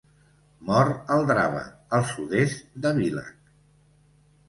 Mor al Drava, al sud-est de Villach.